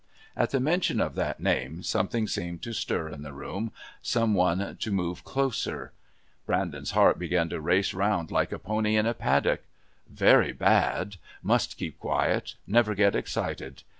At the mention of that name something seemed to stir in the room, some one to move closer. Brandon's heart began to race round like a pony in a paddock. Very bad. Must keep quiet. Never get excited.